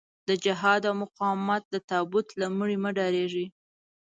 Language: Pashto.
د جهاد او مقاومت د تابوت له مړي مه ډارېږئ.